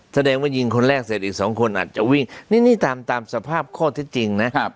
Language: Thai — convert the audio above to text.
แสดงว่ายิงคนแรกเสร็จอีกสองคนอาจจะวิ่งนี่นี่ตามตามสภาพข้อเท็จจริงนะ